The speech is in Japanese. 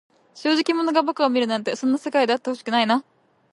正直者が馬鹿を見るなんて、そんな世の中であってほしくないな。